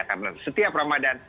karena setiap ramadan